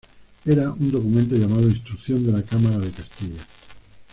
Era un documento llamado "Instrucción de la Cámara de Castilla".